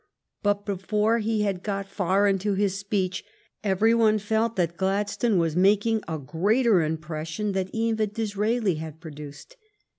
But be fore he had got far into his speech every one felt that Gladstone was making a greater impres sion than even Disraeli had produced.